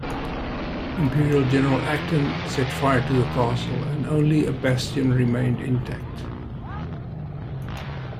Imperial general Acton set fire to the castle and only a bastion remained intact.